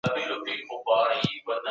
موږ بايد سياسي قواعد زده کړو.